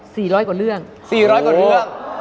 ร้อยกว่าเรื่องสี่ร้อยกว่าเรื่อง